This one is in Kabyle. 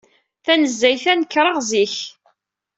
Tanezzayt-a, nekreɣ zik.